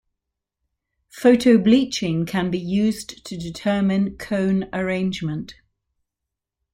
Photobleaching can be used to determine cone arrangement.